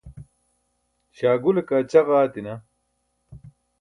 śaagule kaa ćaġa aatina